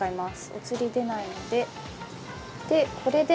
お釣り出ないので。